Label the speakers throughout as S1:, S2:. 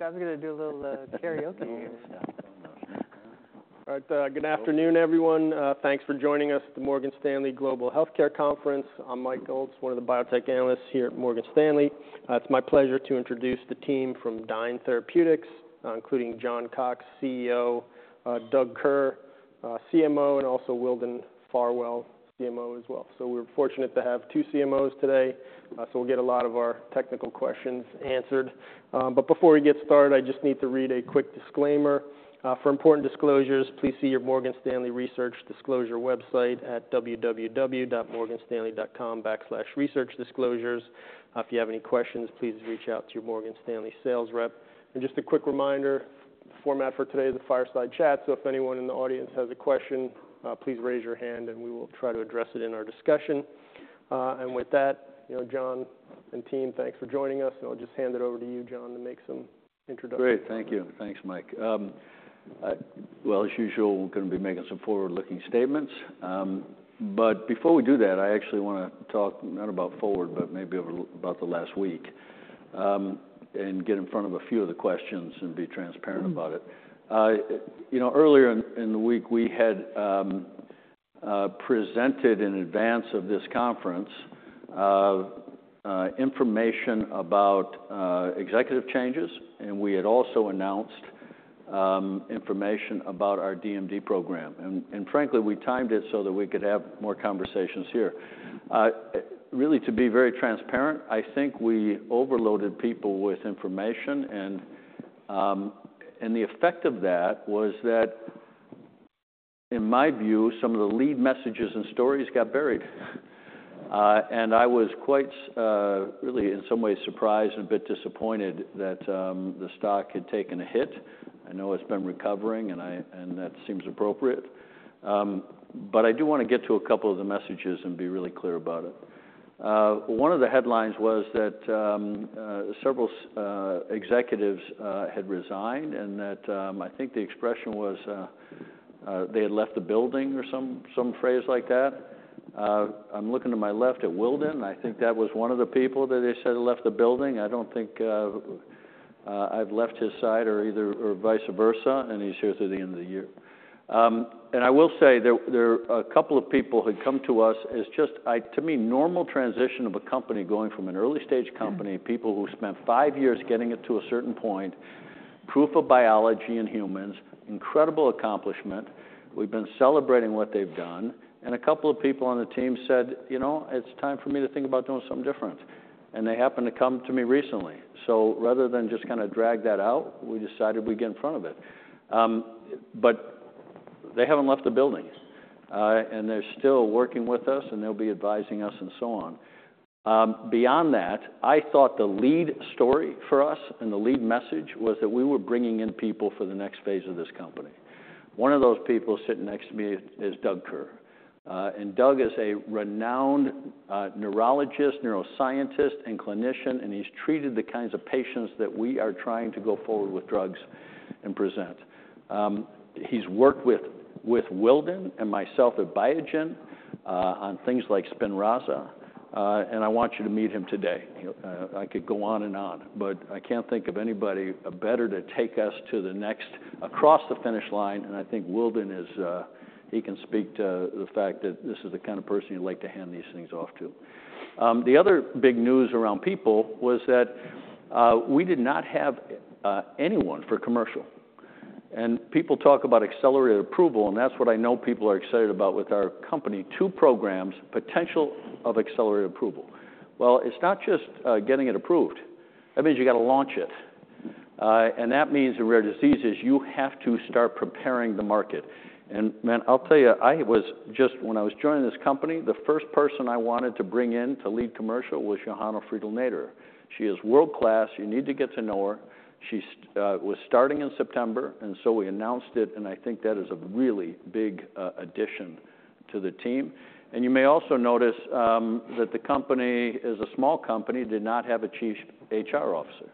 S1: I was gonna do a little karaoke here.
S2: All right, good afternoon, everyone. Thanks for joining us at the Morgan Stanley Global Healthcare Conference. I'm Mike Ulz, one of the biotech analysts here at Morgan Stanley. It's my pleasure to introduce the team from Dyne Therapeutics, including John Cox, CEO, Doug Kerr, CMO, and also Wildon Farwell, CMO as well. So we're fortunate to have two CMOs today, so we'll get a lot of our technical questions answered. But before we get started, I just need to read a quick disclaimer. "For important disclosures, please see your Morgan Stanley research disclosure website at www.morganstanley.com/researchdisclosures. If you have any questions, please reach out to your Morgan Stanley sales rep." And just a quick reminder, the format for today is a fireside chat, so if anyone in the audience has a question, please raise your hand, and we will try to address it in our discussion. And with that, you know, John and team, thanks for joining us, and I'll just hand it over to you, John, to make some introductions.
S1: Great, thank you. Thanks, Mike. Well, as usual, we're gonna be making some forward-looking statements. But before we do that, I actually wanna talk not about forward, but maybe about the last week, and get in front of a few of the questions and be transparent about it. You know, earlier in the week, we had presented in advance of this conference, information about executive changes, and we had also announced information about our DMD program. And frankly, we timed it so that we could have more conversations here. Really, to be very transparent, I think we overloaded people with information, and the effect of that was that, in my view, some of the lead messages and stories got buried. I was quite really in some ways surprised and a bit disappointed that the stock had taken a hit. I know it's been recovering, and that seems appropriate. But I do wanna get to a couple of the messages and be really clear about it. One of the headlines was that several executives had resigned and that I think the expression was they had left the building or some phrase like that. I'm looking to my left at Wildon, and I think that was one of the people that they said left the building. I don't think I've left his side or vice versa, and he's here through the end of the year. And I will say there are a couple of people who'd come to us as just, to me, normal transition of a company going from an early-stage company, people who spent five years getting it to a certain point, proof of biology in humans, incredible accomplishment. We've been celebrating what they've done, and a couple of people on the team said, "You know, it's time for me to think about doing something different," and they happened to come to me recently. So rather than just kind of drag that out, we decided we'd get in front of it. But they haven't left the building, and they're still working with us, and they'll be advising us and so on. Beyond that, I thought the lead story for us and the lead message was that we were bringing in people for the next phase of this company. One of those people sitting next to me is Doug Kerr, and Doug is a renowned neurologist, neuroscientist, and clinician, and he's treated the kinds of patients that we are trying to go forward with drugs and present. He's worked with Wildon and myself at Biogen on things like Spinraza, and I want you to meet him today. I could go on and on, but I can't think of anybody better to take us across the finish line, and I think Wildon is. He can speak to the fact that this is the kind of person you'd like to hand these things off to. The other big news around people was that we did not have anyone for commercial. People talk about accelerated approval, and that's what I know people are excited about with our company. Two programs, potential of accelerated approval. It's not just getting it approved. That means you've got to launch it. And that means in rare diseases, you have to start preparing the market. Man, I'll tell you, when I was joining this company, the first person I wanted to bring in to lead commercial was Johanna Friedl-Nader. She is world-class. You need to get to know her. She was starting in September, and so we announced it, and I think that is a really big addition to the team. You may also notice that the company is a small company, did not have a Chief HR Officer.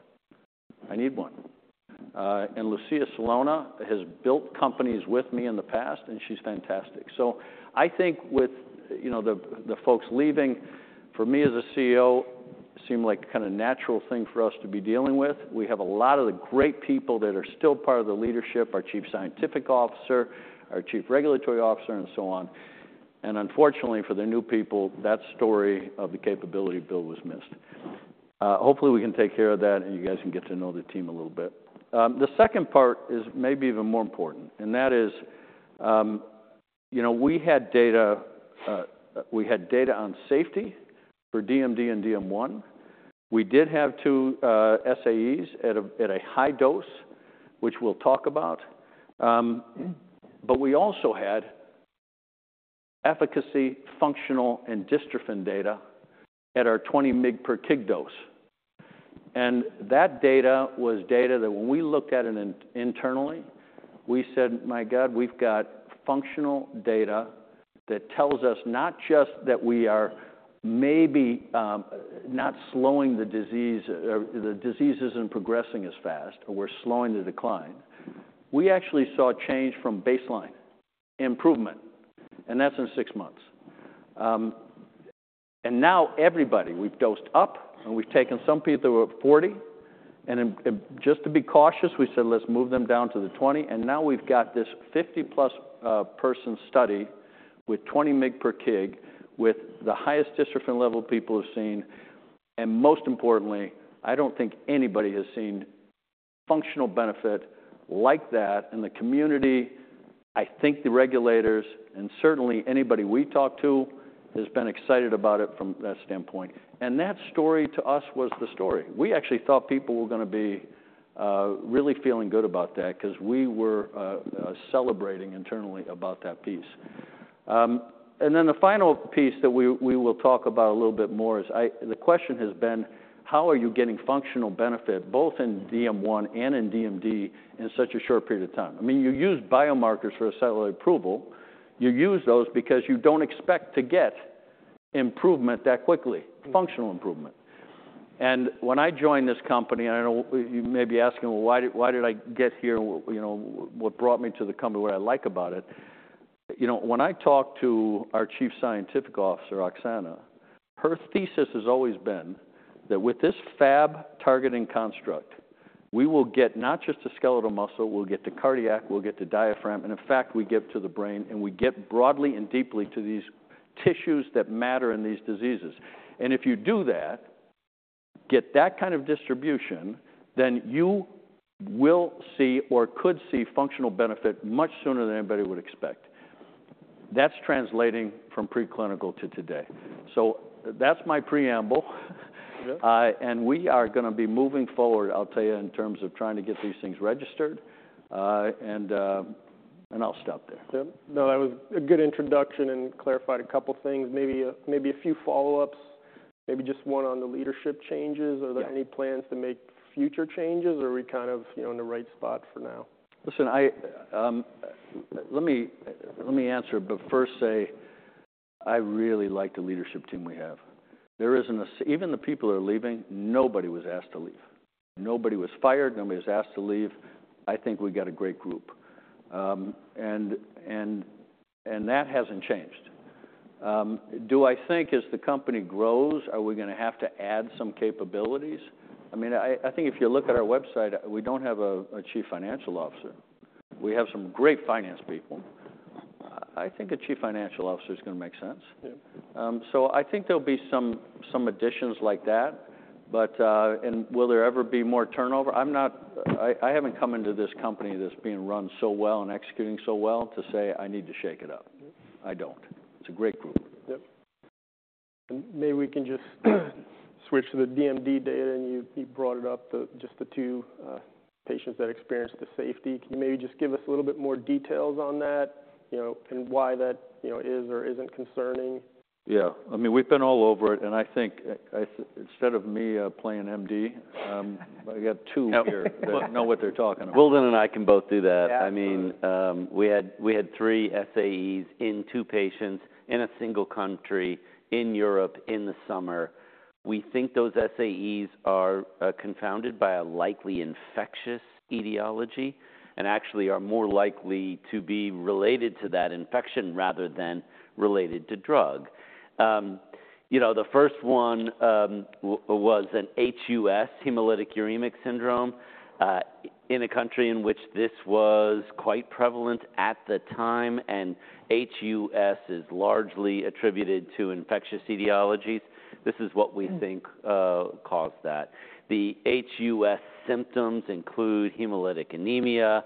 S1: I need one. Lucia Celona has built companies with me in the past, and she's fantastic. I think with you know the folks leaving, for me as a CEO, seemed like kind of a natural thing for us to be dealing with. We have a lot of the great people that are still part of the leadership, our Chief Scientific Officer, our Chief Regulatory Officer, and so on. Unfortunately for the new people, that story of the capability build was missed. Hopefully, we can take care of that, and you guys can get to know the team a little bit. The second part is maybe even more important, and that is you know we had data on safety for DMD and DM1. We did have two SAEs at a high dose, which we'll talk about. But we also had efficacy, functional, and dystrophin data at our 20 mg/kg dose. And that data was data that when we looked at it internally, we said, "My God, we've got functional data that tells us not just that we are maybe not slowing the disease, or the disease isn't progressing as fast, or we're slowing the decline." We actually saw a change from baseline, improvement, and that's in six months. And now everybody, we've dosed up, and we've taken some people who are at forty, and just to be cautious, we said, "Let's move them down to the twenty." And now we've got this fifty-plus person study with 20 mg/kg, with the highest dystrophin level people have seen. And most importantly, I don't think anybody has seen functional benefit like that in the community. I think the regulators, and certainly anybody we talked to, has been excited about it from that standpoint. And that story, to us, was the story. We actually thought people were gonna be really feeling good about that 'cause we were celebrating internally about that piece. And then the final piece that we will talk about a little bit more is the question has been: How are you getting functional benefit, both in DM1 and in DMD, in such a short period of time? I mean, you use biomarkers for accelerated approval. You use those because you don't expect to get improvement that quickly, functional improvement. And when I joined this company, I know you may be asking, Well, why did I get here? You know, what brought me to the company, what I like about it. You know, when I talk to our Chief Scientific Officer, Oxana, her thesis has always been that with this Fab-targeting construct, we will get not just the skeletal muscle, we'll get the cardiac, we'll get the diaphragm, and in fact, we get to the brain, and we get broadly and deeply to these tissues that matter in these diseases, and if you do that, get that kind of distribution, then you will see or could see functional benefit much sooner than anybody would expect. That's translating from preclinical to today, so that's my preamble.
S2: Yep.
S1: And we are gonna be moving forward, I'll tell you, in terms of trying to get these things registered. And I'll stop there.
S2: Yep. No, that was a good introduction and clarified a couple things. Maybe a few follow-ups, maybe just one on the leadership changes.
S1: Yeah.
S2: Are there any plans to make future changes, or are we kind of, you know, in the right spot for now?
S1: Listen, I. Let me, let me answer, but first say I really like the leadership team we have. There isn't even the people who are leaving, nobody was asked to leave. Nobody was fired, nobody was asked to leave. I think we've got a great group. And that hasn't changed. Do I think as the company grows, are we gonna have to add some capabilities? I mean, I think if you look at our website, we don't have a Chief Financial Officer. We have some great finance people. I think a Chief Financial Officer is gonna make sense.
S2: Yep.
S1: So I think there'll be some additions like that, but. And will there ever be more turnover? I'm not. I haven't come into this company that's being run so well and executing so well to say I need to shake it up.
S2: Yep.
S1: I don't. It's a great group.
S2: Yep. Maybe we can just switch to the DMD data, and you brought it up, just the two patients that experienced the safety. Can you maybe just give us a little bit more details on that, you know, and why that, you know, is or isn't concerning?
S1: Yeah. I mean, we've been all over it, and I think instead of me playing MD, I got two here that know what they're talking about.
S3: Wildon and I can both do that.
S2: Yeah.
S3: I mean, we had three SAEs in two patients in a single country, in Europe, in the summer. We think those SAEs are confounded by a likely infectious etiology, and actually are more likely to be related to that infection rather than related to drug. You know, the first one was an HUS, hemolytic uremic syndrome, in a country in which this was quite prevalent at the time, and HUS is largely attributed to infectious etiologies. This is what we think-
S2: Mm...
S3: caused that. The HUS symptoms include hemolytic anemia,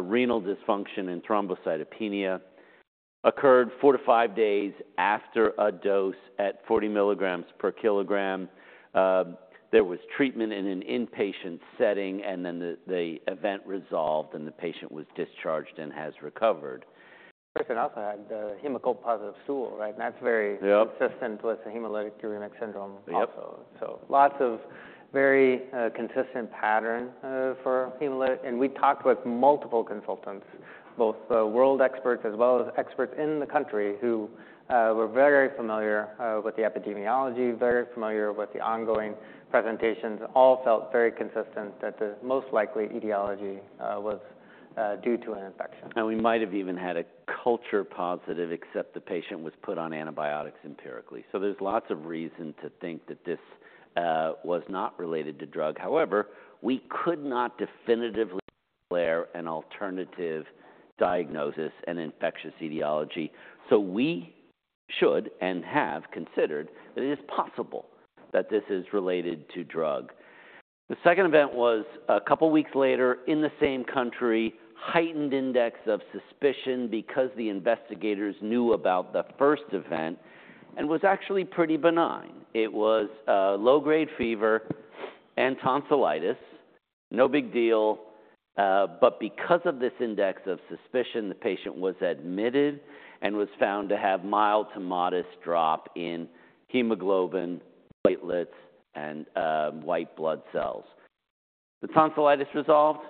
S3: renal dysfunction, and thrombocytopenia, occurred four to five days after a dose at 40 milligrams per kilogram. There was treatment in an inpatient setting, and then the event resolved, and the patient was discharged and has recovered.
S2: The patient also had a Hemoccult positive stool, right? And that's very-
S1: Yep
S2: consistent with the hemolytic uremic syndrome also.
S1: Yep.
S2: Lots of very consistent pattern for hemolytic. We talked with multiple consultants, both world experts as well as experts in the country, who were very familiar with the epidemiology, very familiar with the ongoing presentations. All felt very consistent that the most likely etiology was due to an infection.
S3: We might have even had a culture positive, except the patient was put on antibiotics empirically. So there's lots of reason to think that this was not related to drug. However, we could not definitively declare an alternative diagnosis, an infectious etiology, so we should and have considered that it is possible that this is related to drug. The second event was a couple weeks later in the same country, heightened index of suspicion because the investigators knew about the first event and was actually pretty benign. It was a low-grade fever and tonsillitis, no big deal, but because of this index of suspicion, the patient was admitted and was found to have mild to modest drop in hemoglobin, platelets, and white blood cells. The tonsillitis resolved,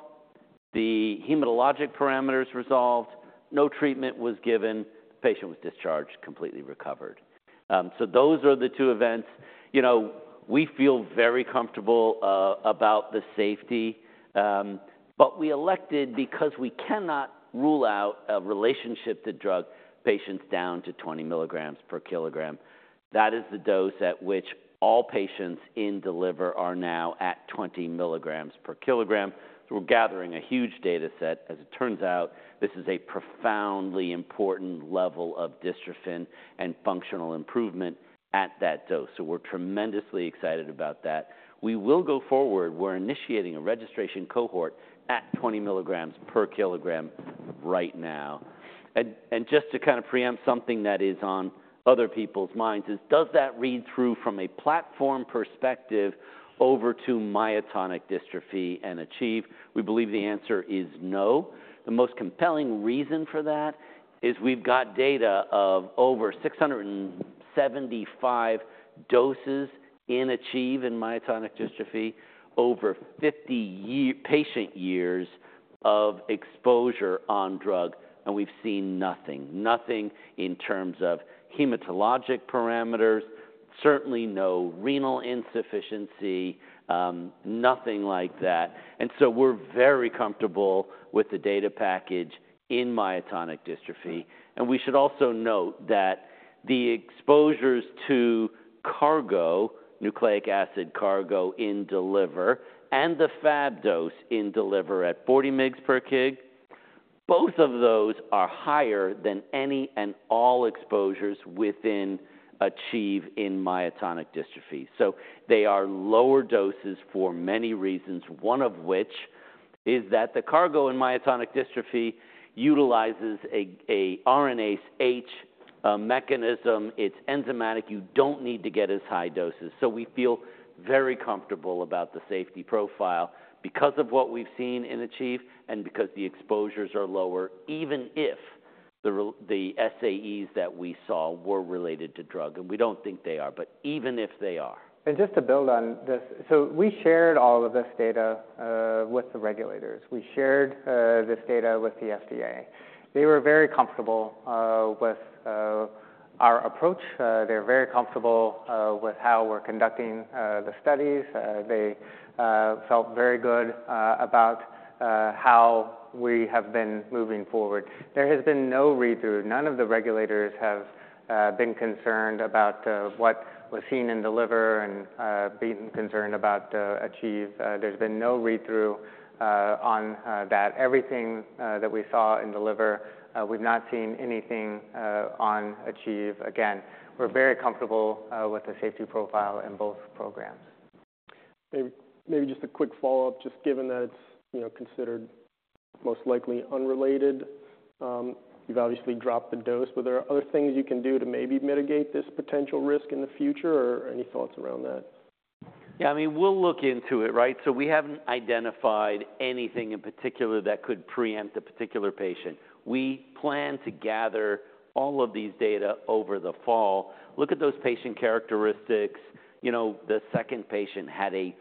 S3: the hematologic parameters resolved, no treatment was given. The patient was discharged, completely recovered. So those are the two events. You know, we feel very comfortable about the safety, but we elected, because we cannot rule out a relationship to the drug, patients down to 20 milligrams per kilogram. That is the dose at which all patients in DELIVER are now at 20 milligrams per kilogram. So we're gathering a huge data set. As it turns out, this is a profoundly important level of dystrophin and functional improvement at that dose, so we're tremendously excited about that. We will go forward. We're initiating a registration cohort at 20 milligrams per kilogram right now. And just to kind of preempt something that is on other people's minds, does that read through from a platform perspective over to myotonic dystrophy and achieve? We believe the answer is no. The most compelling reason for that is we've got data of over 675 doses in ACHIEVE, in myotonic dystrophy, over 50 patient years of exposure on drug, and we've seen nothing. Nothing in terms of hematologic parameters, certainly no renal insufficiency, nothing like that. And so we're very comfortable with the data package in myotonic dystrophy. And we should also note that the exposures to cargo, nucleic acid cargo, in DELIVER and the Fab dose in DELIVER at 40 mg per kg, both of those are higher than any and all exposures within ACHIEVE in myotonic dystrophy. So they are lower doses for many reasons, one of which is that the cargo in myotonic dystrophy utilizes a RNase H mechanism. It's enzymatic. You don't need to get as high doses. So we feel very comfortable about the safety profile because of what we've seen in ACHIEVE and because the exposures are lower, even if the SAEs that we saw were related to drug, and we don't think they are, but even if they are.
S4: And just to build on this, so we shared all of this data with the regulators. We shared this data with the FDA. They were very comfortable with our approach. They're very comfortable with how we're conducting the studies. They felt very good about how we have been moving forward. There has been no read-through. None of the regulators have been concerned about what was seen in DELIVER and been concerned about ACHIEVE. There's been no read-through on that. Everything that we saw in DELIVER, we've not seen anything on ACHIEVE. Again, we're very comfortable with the safety profile in both programs.
S2: Maybe just a quick follow-up, just given that it's, you know, considered most likely unrelated, you've obviously dropped the dose, but there are other things you can do to maybe mitigate this potential risk in the future, or any thoughts around that?
S3: Yeah, I mean, we'll look into it, right? So we haven't identified anything in particular that could preempt a particular patient. We plan to gather all of these data over the fall. Look at those patient characteristics. You know, the second patient had a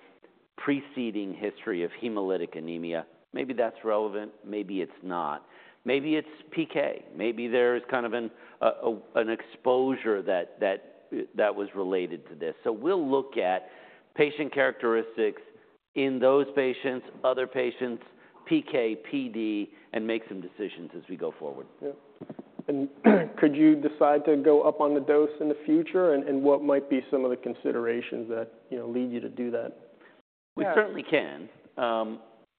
S3: preceding history of hemolytic anemia. Maybe that's relevant, maybe it's not. Maybe it's PK. Maybe there's kind of an exposure that was related to this. So we'll look at patient characteristics in those patients, other patients, PK, PD, and make some decisions as we go forward.
S2: Yeah. And could you decide to go up on the dose in the future? And what might be some of the considerations that, you know, lead you to do that?
S3: We certainly can.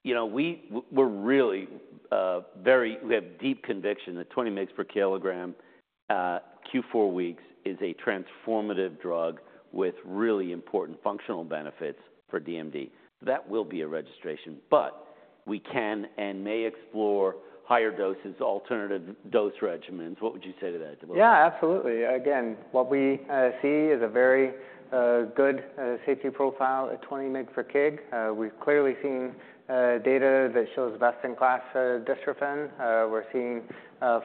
S3: You know, we're really very. We have deep conviction that 20 mg per kilogram Q4 weeks is a transformative drug with really important functional benefits for DMD. That will be a registration, but we can and may explore higher doses, alternative dose regimens. What would you say to that, Wildon?
S4: Yeah, absolutely. Again, what we see is a very good safety profile at 20 mg per kg. We've clearly seen data that shows best-in-class dystrophin. We're seeing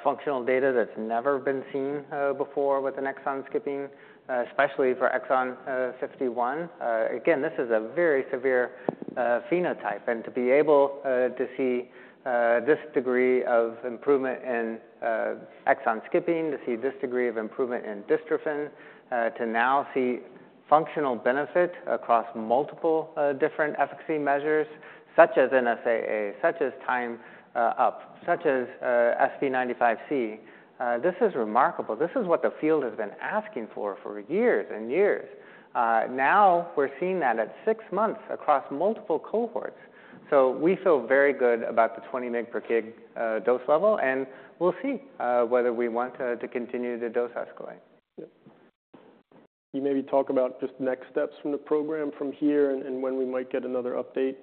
S4: functional data that's never been seen before with an exon skipping, especially for exon 51. Again, this is a very severe phenotype, and to be able to see this degree of improvement in exon skipping, to see this degree of improvement in dystrophin, to now see functional benefit across multiple different efficacy measures, such as NSAA, such as Timed Up, such as SV95C, this is remarkable. This is what the field has been asking for for years and years. Now we're seeing that at 6 months across multiple cohorts. So we feel very good about the 20 mg per kg dose level, and we'll see whether we want to continue the dose escalate.
S2: Yep. Can you maybe talk about just next steps from the program from here and, and when we might get another update?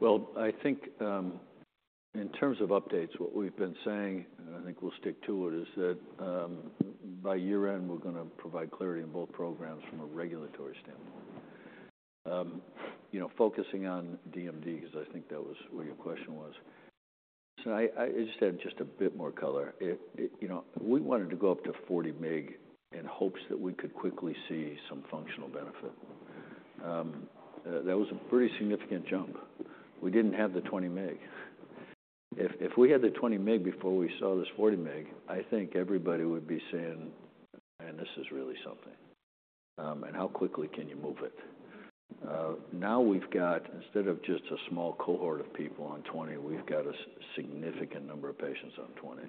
S1: Well, I think, in terms of updates, what we've been saying, and I think we'll stick to it, is that, by year-end, we're gonna provide clarity in both programs from a regulatory standpoint. You know, focusing on DMD, because I think that was where your question was, so I just add a bit more color. You know, we wanted to go up to 40 mg in hopes that we could quickly see some functional benefit. That was a pretty significant jump. We didn't have the 20 mg. If we had the 20 mg before we saw this 40 mg, I think everybody would be saying, "Man, this is really something," and how quickly can you move it? Now we've got, instead of just a small cohort of people on twenty, we've got a significant number of patients on 20.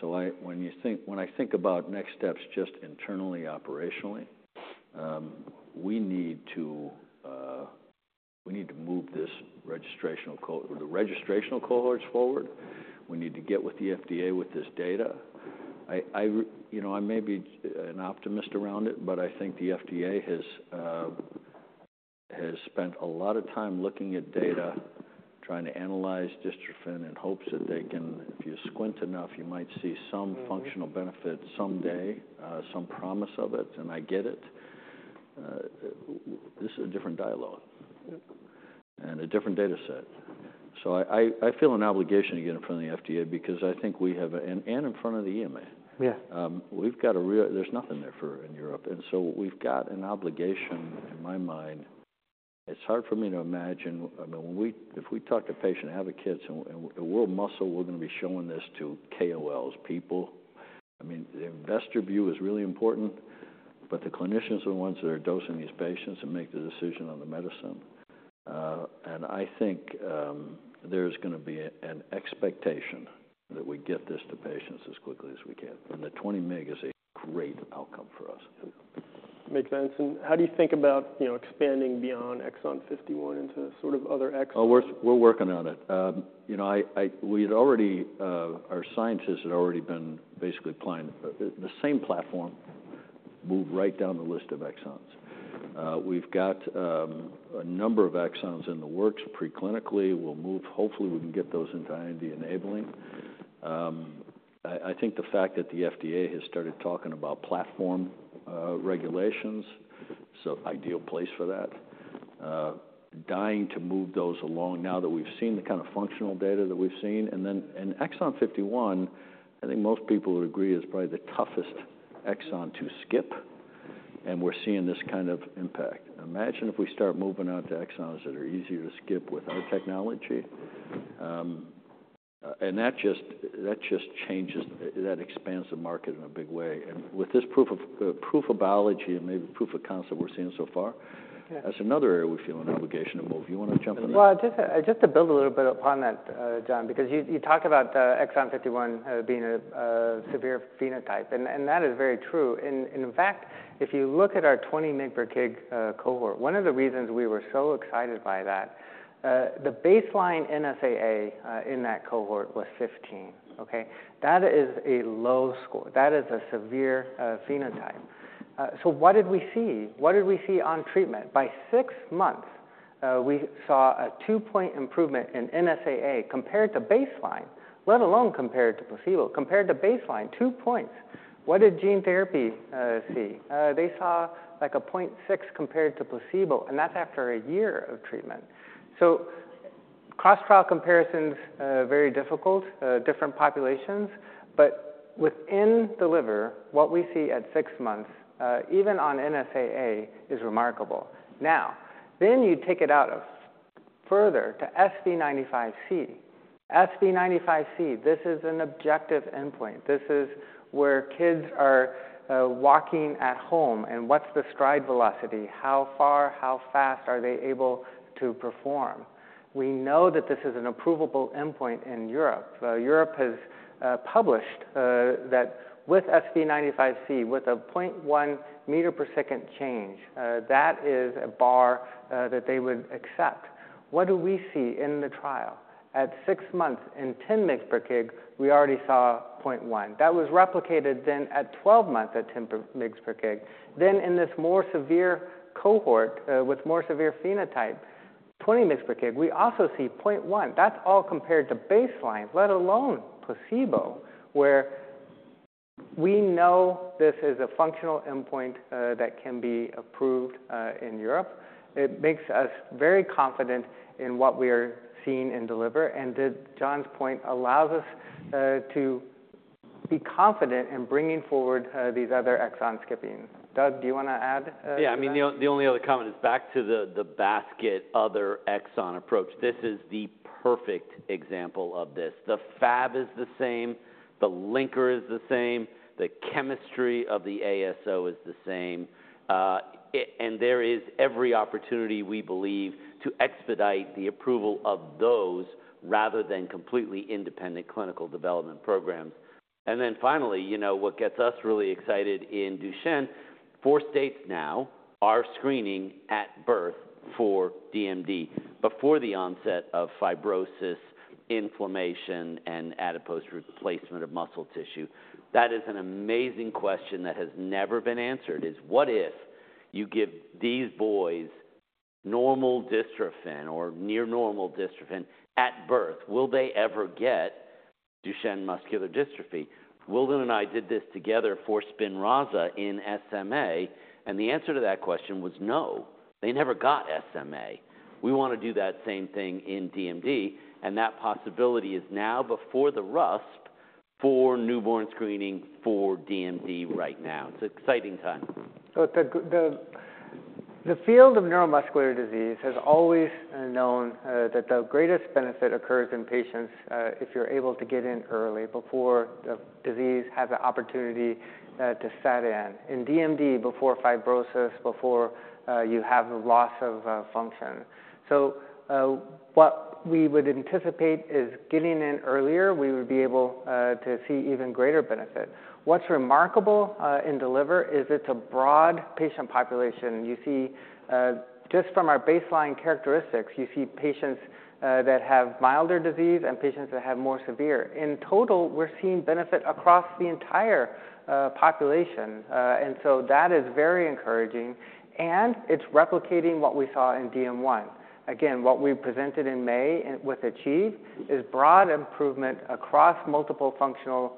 S1: So when I think about next steps just internally, operationally, we need to move the registrational cohorts forward. We need to get with the FDA with this data. You know, I may be an optimist around it, but I think the FDA has spent a lot of time looking at data, trying to analyze dystrophin in hopes that they can... If you squint enough, you might see some-
S4: Mm-hmm...
S1: functional benefit someday, some promise of it, and I get it. This is a different dialogue-
S4: Yep...
S1: and a different data set, so I feel an obligation to get in front of the FDA because I think we have a and in front of the EMA.
S4: Yeah.
S1: There's nothing there for in Europe, and so we've got an obligation, in my mind. It's hard for me to imagine. I mean, if we talk to patient advocates, and at World Muscle, we're going to be showing this to KOLs people. I mean, the investor view is really important, but the clinicians are the ones that are dosing these patients and make the decision on the medicine. I think there's gonna be an expectation that we get this to patients as quickly as we can, and the 20 mg is a great outcome for us.
S4: Makes sense. And how do you think about, you know, expanding beyond exon 51 into sort of other exon?
S1: Oh, we're working on it. You know, I, I. We'd already, our scientists had already been basically applying the same platform, move right down the list of exons. We've got a number of exons in the works pre-clinically. We'll move hopefully, we can get those into IND enabling. I think the fact that the FDA has started talking about platform regulations, so ideal place for that. Dying to move those along now that we've seen the kind of functional data that we've seen. And then in exon 51, I think most people would agree, is probably the toughest exon to skip, and we're seeing this kind of impact. Imagine if we start moving out to exons that are easier to skip with our technology. and that expands the market in a big way. And with this proof of biology and maybe proof of concept we're seeing so far.
S4: Yeah ...
S1: that's another area we feel an obligation to move. You want to jump in there?
S4: Just to build a little bit upon that, John, because you talked about exon 51 being a severe phenotype, and that is very true. In fact, if you look at our 20 mg per kg cohort, one of the reasons we were so excited by that, the baseline NSAA in that cohort was 15, okay? That is a low score. That is a severe phenotype. So what did we see? What did we see on treatment? By 6 months, we saw a 2-point improvement in NSAA compared to baseline, let alone compared to placebo, compared to baseline, 2 points. What did gene therapy see? They saw, like, 0.6 compared to placebo, and that's after a year of treatment. So cross-trial comparisons, very difficult, different populations, but within the liver, what we see at six months, even on NSAA, is remarkable. Now, then you take it out of further to SV95C. SV95C, this is an objective endpoint. This is where kids are walking at home, and what's the stride velocity? How far, how fast are they able to perform? We know that this is an approvable endpoint in Europe. Europe has published that with SV95C, with a point one meter per second change, that is a bar that they would accept. What do we see in the trial? At six months, in 10 mg per kg, we already saw point one. That was replicated then at 12 months at 10 mg per kg. Then in this more severe cohort, with more severe phenotype, 20 mg per kg, we also see 0.1. That's all compared to baseline, let alone placebo, where we know this is a functional endpoint that can be approved in Europe. It makes us very confident in what we are seeing in DELIVER, and that John's point allows us to be confident in bringing forward these other exon skipping. Doug, do you want to add anything?
S3: Yeah, I mean, the only other comment is back to the basket of other exon approach. This is the perfect example of this. The FAB is the same, the linker is the same, the chemistry of the ASO is the same. And there is every opportunity, we believe, to expedite the approval of those, rather than completely independent clinical development programs. Then finally, you know, what gets us really excited in Duchenne, four states now are screening at birth for DMD, before the onset of fibrosis, inflammation, and adipose replacement of muscle tissue. That is an amazing question that has never been answered, is what if you give these boys normal dystrophin or near normal dystrophin at birth? Will they ever get Duchenne muscular dystrophy? Wildon and I did this together for Spinraza in SMA, and the answer to that question was no, they never got SMA. We want to do that same thing in DMD, and that possibility is now before the RUSP for newborn screening for DMD right now. It's an exciting time.
S4: Doug, Doug? ...The field of neuromuscular disease has always known that the greatest benefit occurs in patients, if you're able to get in early before the disease has the opportunity to set in. In DMD, before fibrosis, before you have a loss of function. So, what we would anticipate is getting in earlier, we would be able to see even greater benefit. What's remarkable in DELIVER is it's a broad patient population. You see just from our baseline characteristics, you see patients that have milder disease and patients that have more severe. In total, we're seeing benefit across the entire population, and so that is very encouraging, and it's replicating what we saw in DM1. Again, what we presented in May and with ACHIEVE is broad improvement across multiple functional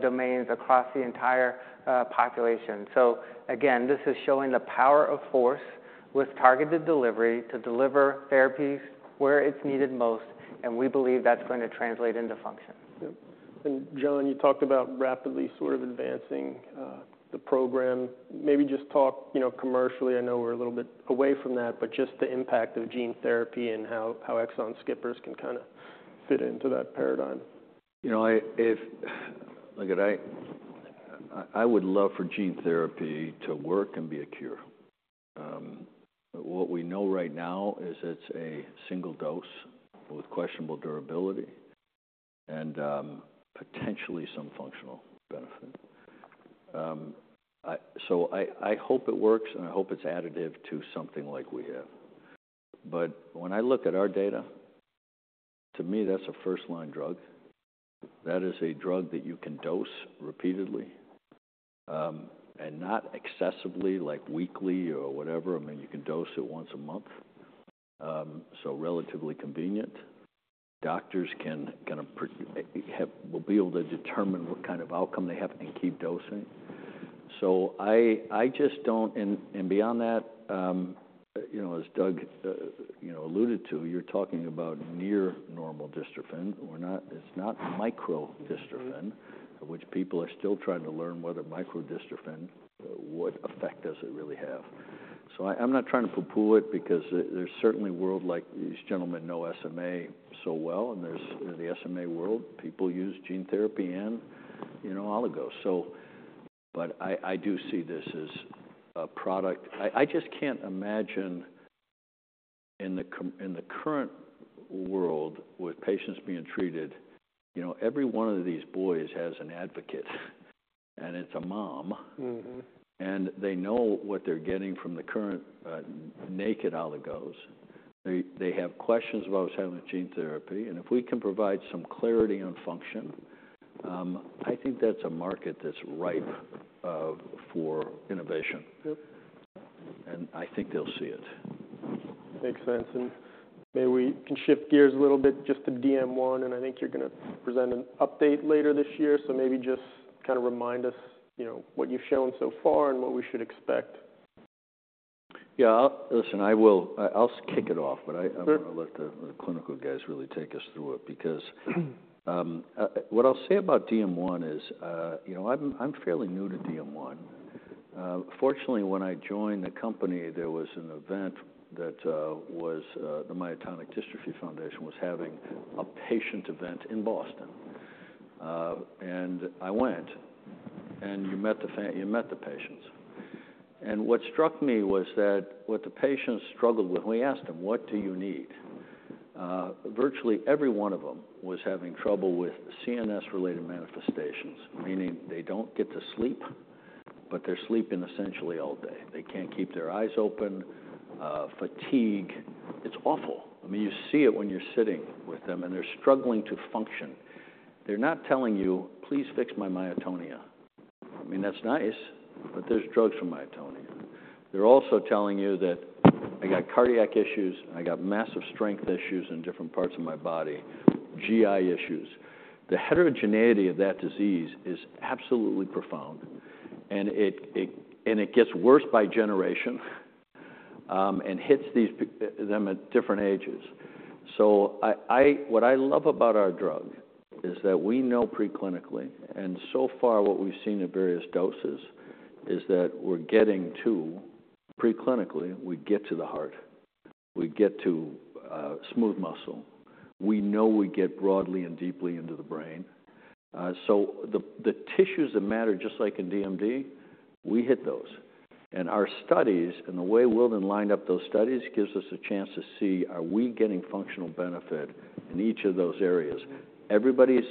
S4: domains across the entire population. So again, this is showing the power of FORCE with targeted delivery to deliver therapies where it's needed most, and we believe that's going to translate into function.
S2: Yep. And John, you talked about rapidly sort of advancing the program. Maybe just talk, you know, commercially. I know we're a little bit away from that, but just the impact of gene therapy and how exon skippers can kind of fit into that paradigm.
S1: You know, Look, I would love for gene therapy to work and be a cure. But what we know right now is it's a single dose with questionable durability and potentially some functional benefit. So I hope it works, and I hope it's additive to something like we have. But when I look at our data, to me, that's a first-line drug. That is a drug that you can dose repeatedly and not excessively, like, weekly or whatever. I mean, you can dose it once a month, so relatively convenient. Doctors can kind of will be able to determine what kind of outcome they have and keep dosing. So, and beyond that, you know, as Doug you know alluded to, you're talking about near normal dystrophin. We're not. It's not micro dystrophin.
S2: Mm-hmm.
S1: which people are still trying to learn whether micro-dystrophin, what effect does it really have? So I, I'm not trying to pooh-pooh it because there's certainly a world like these gentlemen know SMA so well, and there's the SMA world. People use gene therapy and, you know, oligos, so... But I, I do see this as a product. I, I just can't imagine in the current world, with patients being treated, you know, every one of these boys has an advocate, and it's a mom.
S2: Mm-hmm.
S1: They know what they're getting from the current naked oligos. They have questions about what's happening with gene therapy, and if we can provide some clarity on function. I think that's a market that's ripe for innovation.
S2: Yep.
S1: And I think they'll see it.
S2: Makes sense, and maybe we can shift gears a little bit just to DM1, and I think you're going to present an update later this year so maybe just kind of remind us, you know, what you've shown so far and what we should expect.
S1: Yeah, I'll listen. I will. I'll just kick it off-
S2: Sure.
S1: But I'm going to let the clinical guys really take us through it, because what I'll say about DM1 is, you know, I'm fairly new to DM1. Fortunately, when I joined the company, there was an event that the Myotonic Dystrophy Foundation was having a patient event in Boston. And I went, and you met the patients. And what struck me was that what the patients struggled with, we asked them: "What do you need?" Virtually, every one of them was having trouble with CNS-related manifestations, meaning they don't get to sleep, but they're sleeping essentially all day. They can't keep their eyes open, fatigue. It's awful. I mean, you see it when you're sitting with them, and they're struggling to function. They're not telling you, "Please fix my myotonia." I mean, that's nice, but there's drugs for myotonia. They're also telling you that, "I got cardiac issues, I got massive strength issues in different parts of my body, GI issues." The heterogeneity of that disease is absolutely profound, and it gets worse by generation, and hits them at different ages. So, what I love about our drug is that we know preclinically, and so far, what we've seen at various doses is that we're getting to, preclinically, we get to the heart. We get to smooth muscle. We know we get broadly and deeply into the brain. So the tissues that matter, just like in DMD, we hit those. Our studies and the way Wildon lined up those studies gives us a chance to see: Are we getting functional benefit in each of those areas? Everybody's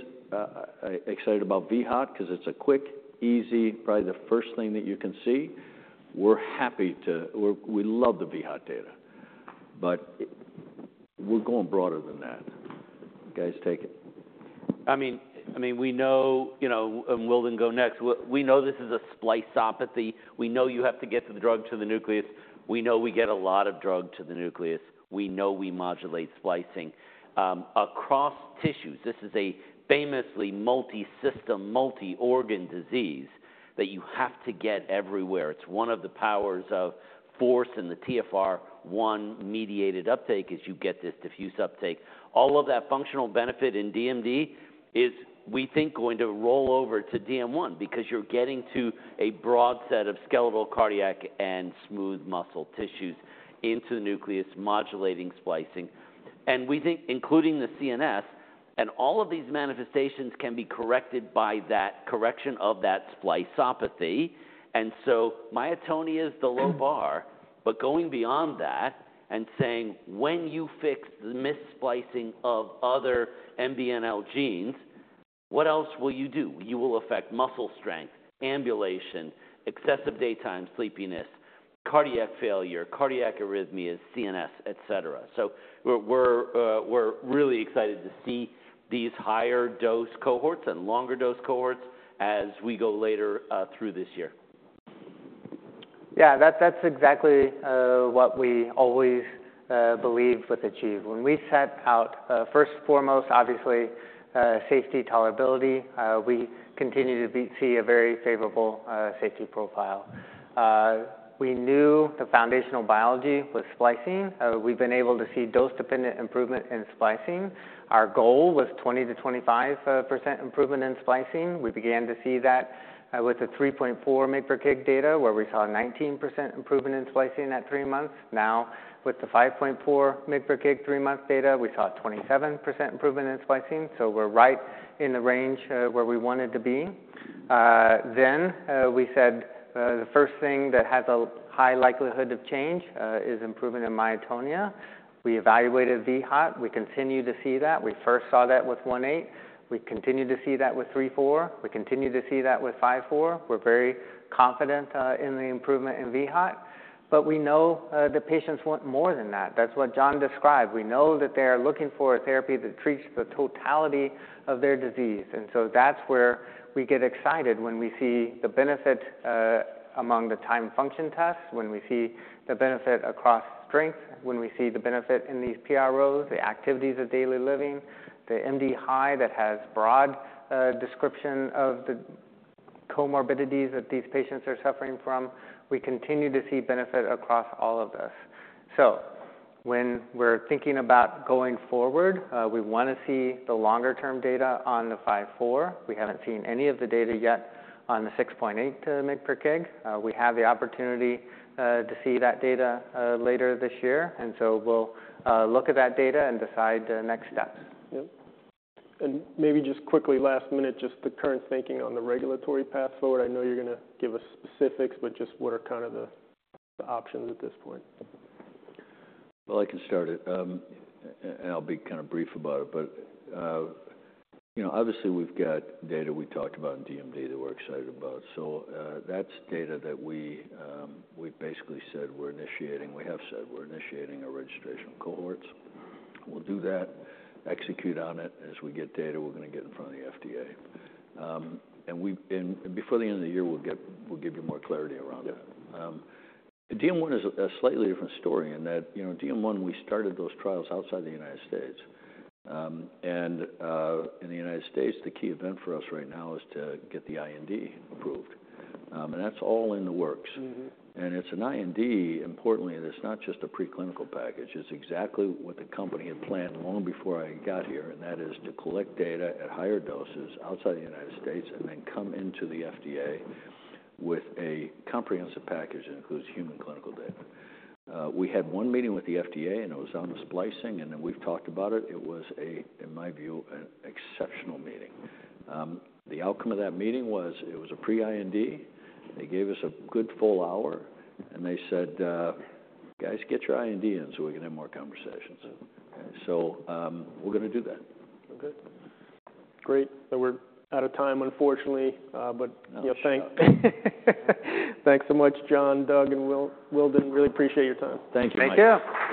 S1: excited about vHOT because it's a quick, easy, probably the first thing that you can see. We're happy to... We love the vHOT data, but we're going broader than that. Guys, take it.
S3: I mean, we know, you know, and Wildon go next. We know this is a spliceopathy. We know you have to get the drug to the nucleus. We know we get a lot of drug to the nucleus. We know we modulate splicing across tissues. This is a famously multisystem, multi-organ disease that you have to get everywhere. It's one of the powers of FORCE in the TFR1-mediated uptake, is you get this diffuse uptake. All of that functional benefit in DMD is, we think, going to roll over to DM1 because you're getting to a broad set of skeletal, cardiac, and smooth muscle tissues into the nucleus, modulating splicing. ...and we think including the CNS, and all of these manifestations can be corrected by that correction of that spliceopathy. And so myotonia is the low bar, but going beyond that and saying, when you fix the missplicing of other MBNL genes, what else will you do? You will affect muscle strength, ambulation, excessive daytime sleepiness, cardiac failure, cardiac arrhythmias, CNS, etc. So we're, we're really excited to see these higher dose cohorts and longer dose cohorts as we go later, through this year.
S4: Yeah, that's exactly what we always believed with ACHIEVE. When we set out, first and foremost, obviously, safety tolerability, we continue to see a very favorable safety profile. We knew the foundational biology was splicing. We've been able to see dose-dependent improvement in splicing. Our goal was 20%-25% improvement in splicing. We began to see that with the 3.4 mg per kg data, where we saw 19% improvement in splicing at three months. Now, with the 5.4 mg per kg three-month data, we saw a 27% improvement in splicing, so we're right in the range where we wanted to be. Then we said the first thing that has a high likelihood of change is improvement in myotonia. We evaluated vHOT. We continue to see that. We first saw that with 1.8. We continue to see that with 3.4. We continue to see that with 5.4. We're very confident in the improvement in vHOT, but we know the patients want more than that. That's what John described. We know that they are looking for a therapy that treats the totality of their disease. And so that's where we get excited when we see the benefit among the timed function tests, when we see the benefit across strength, when we see the benefit in these PROs, the activities of daily living, the MDHI, that has broad description of the comorbidities that these patients are suffering from. We continue to see benefit across all of this. So when we're thinking about going forward, we want to see the longer-term data on the 5.4. We haven't seen any of the data yet on the 6.8 mg per kg. We have the opportunity to see that data later this year, and so we'll look at that data and decide the next steps.
S2: Yep. And maybe just quickly, last minute, just the current thinking on the regulatory path forward. I know you're going to give us specifics, but just what are kind of the options at this point?
S1: I can start it and I'll be kind of brief about it, but you know, obviously we've got data we talked about in DMD that we're excited about. That's data that we have said we're initiating our registration cohorts. We'll do that, execute on it. And as we get data, we're going to get in front of the FDA and before the end of the year, we'll give you more clarity around that.
S2: Yeah.
S1: DM1 is a slightly different story in that, you know, DM1, we started those trials outside the United States, and in the United States, the key event for us right now is to get the IND approved, and that's all in the works.
S2: Mm-hmm.
S1: It's an IND, importantly, and it's not just a preclinical package. It's exactly what the company had planned long before I got here, and that is to collect data at higher doses outside the United States, and then come into the FDA with a comprehensive package that includes human clinical data. We had one meeting with the FDA, and it was on the splicing, and then we've talked about it. It was a, in my view, an exceptional meeting. The outcome of that meeting was: it was a pre-IND. They gave us a good full hour, and they said, "Guys, get your IND in, so we can have more conversations.
S2: Yeah.
S1: We're going to do that.
S2: Okay, great. So we're out of time, unfortunately, but yeah-
S1: Oh, shoot.
S2: Thanks so much, John, Doug, and Wildon. Really appreciate your time.
S3: Thank you.
S4: Thank you.